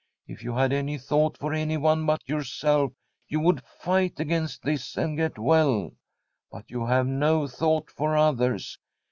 If you had any thought for anyone but yourself, you would fight against this and get well ; but you have no thought for others.